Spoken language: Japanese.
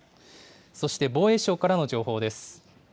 そして防衛省からの情報です。